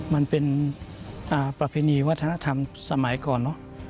มันเป็นประเพณีวัฒนธรรมสมัยก่อนเนอะ